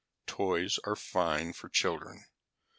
"Toys are fine for children.